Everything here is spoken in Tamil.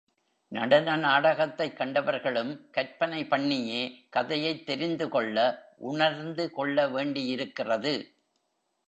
நடன நாடகத்தைக் கண்டவர்களும் கற்பனை பண்ணியே கதையைத் தெரிந்துகொள்ள, உணர்ந்து கொள்ள வேண்டியிருக்கிறது.